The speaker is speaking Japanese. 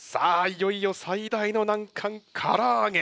いよいよ最大の難関から揚げ！